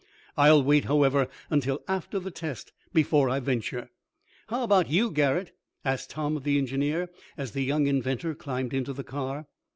I'll wait, however, until after the test before I venture." "How about you, Garret?" asked Tom of the engineer, as the young inventor climbed into the car.